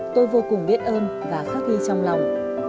tôi vô cùng biết ơn và khắc ghi trong lòng